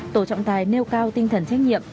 tổ trọng tài nêu cao tinh thần trách nhiệm